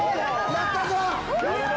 やったぞ！